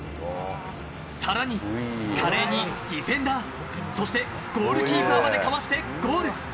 さらに、華麗にディフェンダー、そしてゴールキーパーまでかわしてゴール。